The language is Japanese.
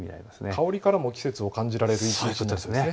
香りからも季節を感じられる一日になりそうですね。